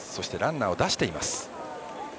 そして、ランナーを出しています。